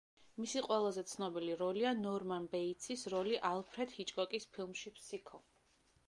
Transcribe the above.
მისი ყველაზე ცნობილი როლია ნორმან ბეიტსის როლი ალფრედ ჰიჩკოკის ფილმში „ფსიქო“.